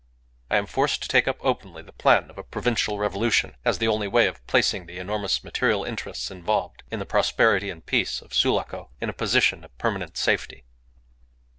I am forced to take up openly the plan of a provincial revolution as the only way of placing the enormous material interests involved in the prosperity and peace of Sulaco in a position of permanent safety.